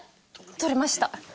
取れました。